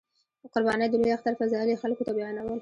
د قربانۍ د لوی اختر فضایل یې خلکو ته بیانول.